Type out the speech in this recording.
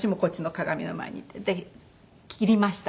で切りました。